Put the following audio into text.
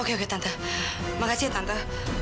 oke oke tante makasih tante